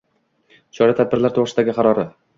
chora-tadbirlari to‘g‘risida”gi qarori.